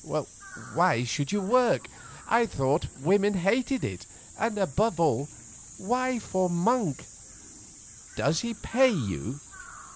"Why should you work? I thought women hated it, and above all, why for Monk? Does he pay you?"